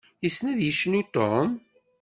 Yessen ad yecnu Ṭum?